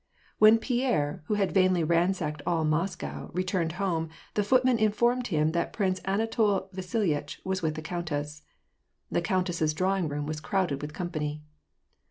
When Pierre, who had vainly ransacked all Moscow, returned home, the footman informed him that Prince Anatol Vasil yitch was with the countess. The countess's drawing room was crowded with company.